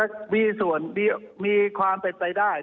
จะมีส่วนมีความเป็นไปได้